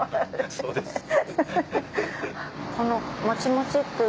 そうですね。